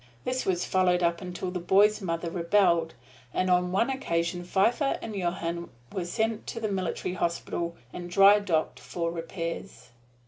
This was followed up until the boy's mother rebelled, and on one occasion Pfeiffer and Johann were sent to the military hospital and dry docked for repairs.